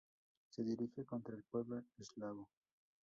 Se dirige contra el pueblo eslavo.